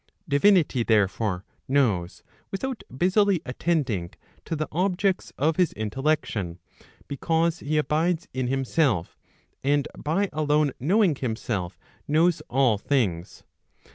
Divinity therefore, knows without busily attending to the objects of his intellection, because he abides in himself, and by alone knowing himself, knows all things.